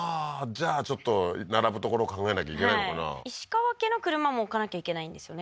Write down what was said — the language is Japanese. じゃあちょっと並ぶ所考えなきゃいけないのかな石川家の車も置かなきゃいけないんですよね